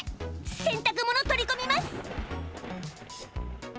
洗濯物取り込みます！」。